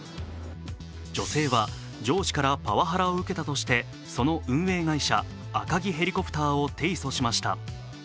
女性は上司からパワハラを受けたとしてその運営会社、アカギヘリコプターを提訴しました。